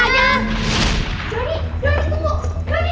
doni doni tunggu